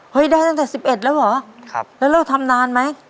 ได้ตั้งแต่๑๑แล้วเหรอแล้วเราทำนานไหม